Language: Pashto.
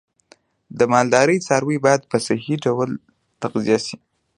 د مالدارۍ څاروی باید په صحی ډول تغذیه شي.